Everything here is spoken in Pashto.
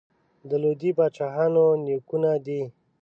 د لودي پاچاهانو نیکونه دي.